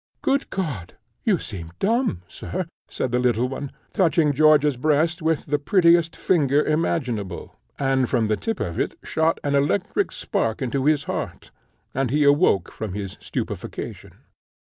"Good God! you seem dumb, sir!" said the little one, touching George's breast with the prettiest finger imaginable; and from the tip of it shot an electric spark into his heart, and he awoke from his stupefaction.